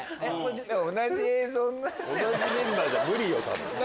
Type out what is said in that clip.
同じメンバーじゃ無理よ。